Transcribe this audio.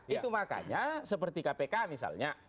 itu makanya seperti kpk misalnya